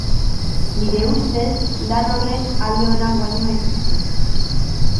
Nire ustez, lan horrek alde onak baino ez ditu.